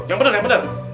yang bener yang bener